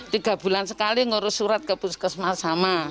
tiga bulan sekali ngurus surat ke puskesmas sama